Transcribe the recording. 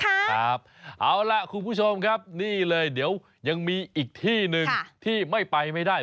ครับเอาล่ะคุณผู้ชมครับนี่เลยเดี๋ยวยังมีอีกที่หนึ่งที่ไม่ไปไม่ได้